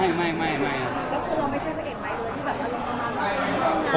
แล้วคุณไม่ใช่เป็นเอกใบที่รู้กับเรามากกว่า